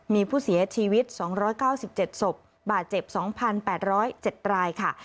มีผู้เสียชีวิต๒๙๗ศพบาดเจ็บ๒๘๐๗รายค่ะ